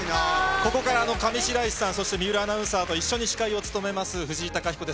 ここから上白石さん、そして水卜アナウンサーと一緒に司会を務めます、藤井貴彦です。